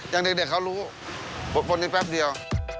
ยังเด็กเขารู้ผลนี้แป๊บเดียว